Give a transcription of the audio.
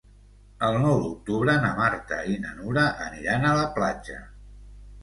El nou d'octubre na Marta i na Nura aniran a la platja.